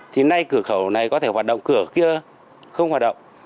thì nay cửa khẩu này có thể hoạt động cửa kia không hoạt động